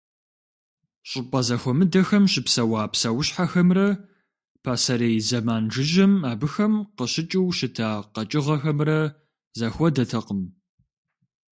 Щӏыпӏэ зэхуэмыдэхэм щыпсэуа псэущхьэхэмрэ пасэрей зэман жыжьэм абыхэм къыщыкӏыу щыта къэкӏыгъэхэмрэ зэхуэдэтэкъым.